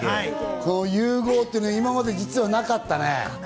この融合って今まで実はなかったね。